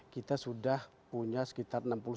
kita sudah punya sekitar